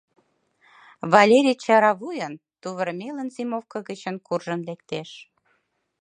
Валерий чара вуйын, тувырмелын зимовко гычын куржын лектеш.